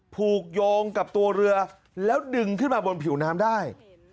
ผูกโยงกับตัวเรือแล้วดึงขึ้นมาบนผิวน้ำได้